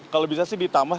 kalau bisa sih di tama